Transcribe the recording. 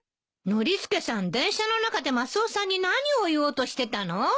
ノリスケさん電車の中でマスオさんに何を言おうとしてたの？